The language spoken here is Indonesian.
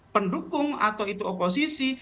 pendukung atau itu oposisi